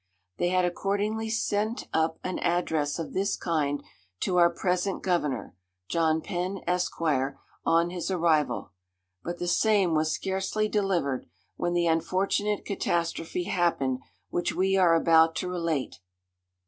They had accordingly sent up an address of this kind to our present governor (John Penn, Esq.) on his arrival; but the same was scarcely delivered, when the unfortunate catastrophe happened which we are about to relate.